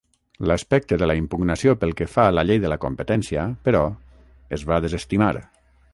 L'aspecte de la impugnació pel que fa a la llei de la competència, però, es va desestimar.